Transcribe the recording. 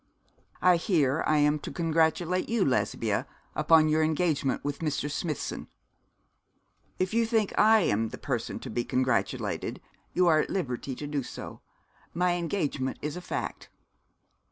I hear I am to congratulate you, Lesbia, upon your engagement with Mr. Smithson.' 'If you think I am the person to be congratulated, you are at liberty to do so. My engagement is a fact.'